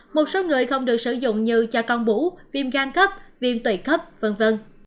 một số người không được sử dụng như cho con bú viêm gan cấp viêm tủy cấp v v